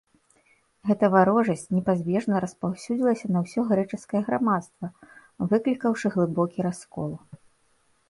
Гэта варожасць непазбежна распаўсюдзілася на ўсё грэчаскае грамадства, выклікаўшы глыбокі раскол.